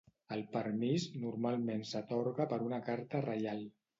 El permís normalment s'atorga per una carta reial.